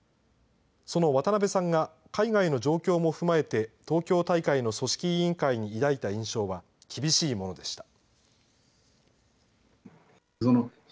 その渡辺さんが海外の状況も踏まえて、東京大会の組織委員会に抱いた印象は厳しいものでした。